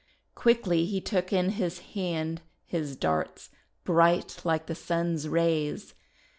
Quickly he took in his hand his darts bright like the Sun's rays.